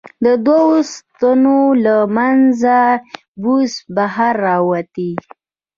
د دوو ستنو له منځه بوس بهر را وتي و.